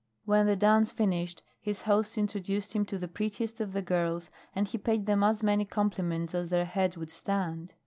When the dance finished his host introduced him to the prettiest of the girls and he paid them as many compliments as their heads would stand.